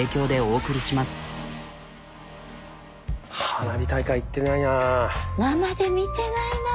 花火大会行ってないな。